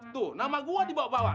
tuh nama gue dibawa bawa